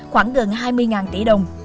khoảng gần hai mươi tỷ đồng